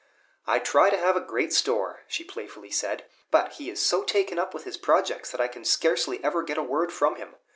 "I try to have a great store," she playfully said, "but he is so taken up with his projects that I can scarcely ever get a word from him.